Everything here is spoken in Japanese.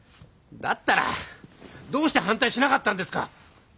だったらどうして反対しなかったんですか！